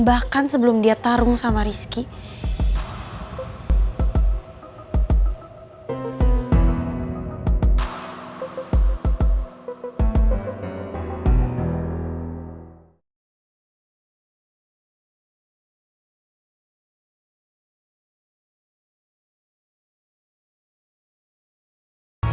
bahkan sebelum dia tarung sama rizky